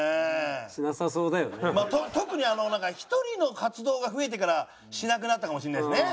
まあ特にあのなんか１人の活動が増えてからしなくなったかもしれないですね。